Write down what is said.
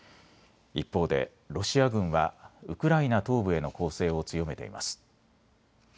一方でロシア軍はウクライナ東部への攻勢を強めています。